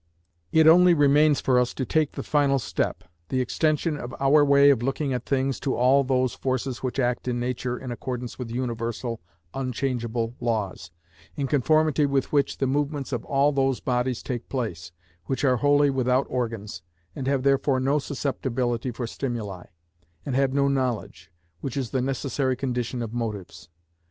It only remains for us to take the final step, the extension of our way of looking at things to all those forces which act in nature in accordance with universal, unchangeable laws, in conformity with which the movements of all those bodies take place, which are wholly without organs, and have therefore no susceptibility for stimuli, and have no knowledge, which is the necessary condition of motives.